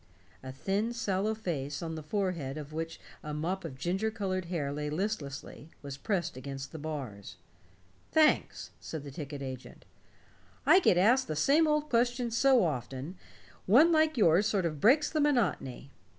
A thin sallow face, on the forehead of which a mop of ginger colored hair lay listlessly, was pressed against the bars. "Thanks," said the ticket agent. "I get asked the same old questions so often, one like yours sort of breaks the monotony.